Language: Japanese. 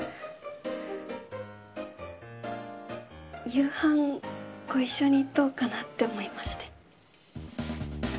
夕飯ご一緒にどうかなって思いまして。